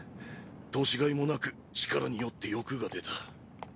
年がいもなく力に酔って欲が出た。